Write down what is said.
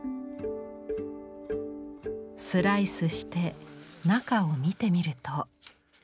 スライスして中を見てみると。